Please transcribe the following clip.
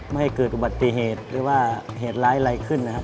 ไม่ให้เกิดอุบัติเหตุหรือว่าเหตุร้ายอะไรขึ้นนะครับ